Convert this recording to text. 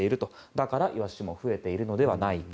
だからイワシも増えているのではないか。